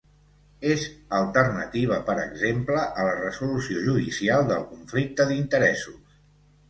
És alternativa, per exemple, a la resolució judicial del conflicte d'interessos.